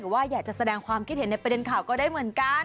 ว่าอยากจะแสดงความคิดเห็นในประเด็นข่าวก็ได้เหมือนกัน